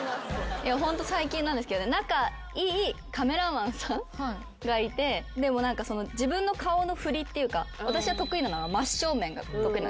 ホント最近なんですけど仲いいカメラマンさんがいて自分の顔の振りっていうか私得意なのが真っ正面が得意。